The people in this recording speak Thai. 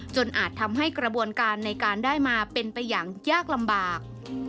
อาจทำให้กระบวนการในการได้มาเป็นไปอย่างยากลำบาก